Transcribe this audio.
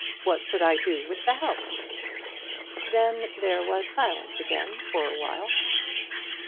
What should I do with the house?" Then there was silence again for a while.